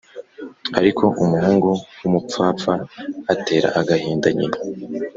ariko umuhungu wumupfapfa atera agahinda nyina